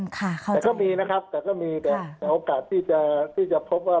แต่ก็มีนะครับแต่ก็มีแต่โอกาสที่จะพบว่า